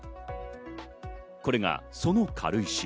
これがその軽石。